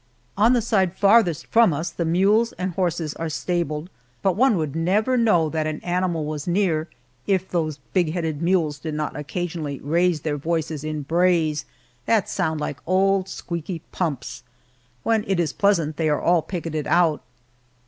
On the side farthest from us the mules and horses are stabled, but one would never know that an animal was near if those big headed mules did not occasionally raise their voices in brays that sound like old squeaky pumps. When it is pleasant they are all picketed out.